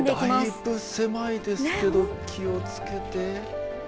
だいぶ狭いですけど、気をつけて。